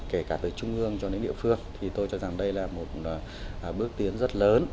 kể cả từ trung ương cho đến địa phương thì tôi cho rằng đây là một bước tiến rất lớn